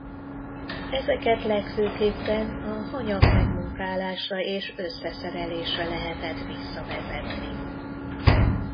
Ezeket legfőképpen a hanyag megmunkálásra és összeszerelésre lehetett visszavezetni.